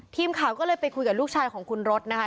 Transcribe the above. ทีมข่าวก็เลยไปคุยกับลูกชายของคุณรถนะคะ